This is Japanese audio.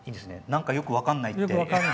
「なんかよくわかんない」って。